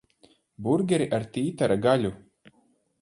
Burgeri ar tītara gaļu.